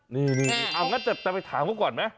นี่เอางั้นจะไปถามเขาก่อนไหม